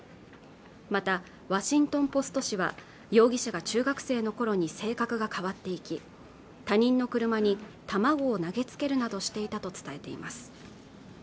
また「ワシントン・ポスト」紙は容疑者が中学生の頃に性格が変わっていき他人の車に卵を投げつけるなどしていたと伝えています